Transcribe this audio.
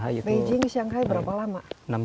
beijing ke siang berapa lama